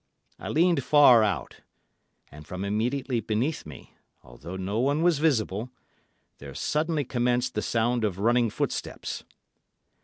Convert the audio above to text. I leaned far out, and from immediately beneath me, although no one was visible, there suddenly commenced the sound of running footsteps.